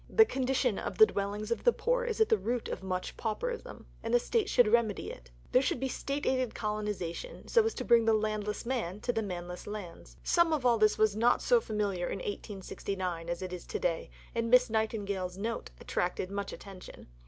The condition of the dwellings of the poor is at the root of much pauperism, and the State should remedy it. There should be State aided colonization, so as to bring the landless man to the manless lands. Some of all this was not so familiar in 1869 as it is to day, and Miss Nightingale's "Note" attracted much attention.